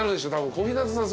小日向さん